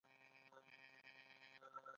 د دې خلک زموږ ورونه دي